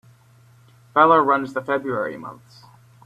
Feller runs the February months.